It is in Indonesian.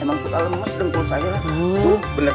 emang suka lemes dengkul saya bener bener